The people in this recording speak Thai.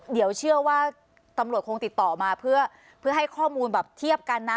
เดี๋ยวเชื่อว่าตำรวจคงติดต่อมาเพื่อให้ข้อมูลแบบเทียบกันนะ